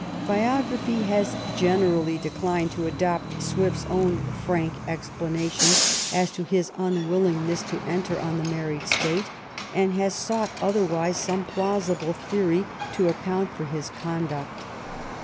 Biography has generally declined to adopt Swift's own frank explanation as to his unwillingness to enter on the married state, and has sought otherwise some plausible theory to account for his conduct.